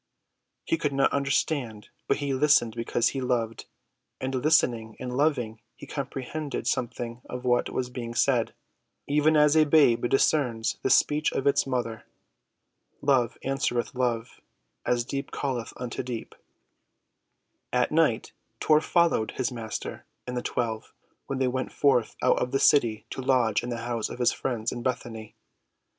He could not understand; but he listened because he loved; and, listening and loving, he comprehended something of what was being said, even as a babe discerns the speech of its mother. Love answereth love, as deep calleth unto deep. At night Tor followed his Master and the twelve when they went forth out of the city to lodge in the house of his friends in Bethany.